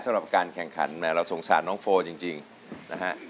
จึงไม่มีน้ำยา